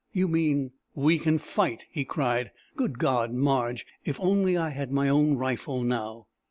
"You mean...." "We can fight!" he cried. "Good God, Marge if only I had my own rifle now!"